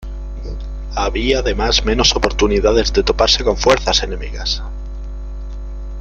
Había además menos oportunidades de toparse con fuerzas enemigas.